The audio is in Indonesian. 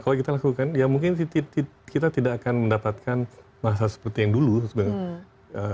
kalau kita lakukan ya mungkin kita tidak akan mendapatkan masa seperti yang dulu sebenarnya